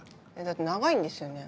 だって長いんですよね？